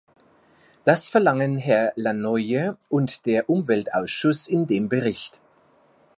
Das verlangen Herr Lannoye und der Umweltausschuss in dem Bericht.